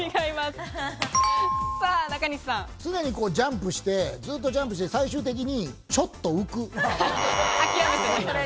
常にジャンプしてずっとジャンプして最終的にちょっと浮く。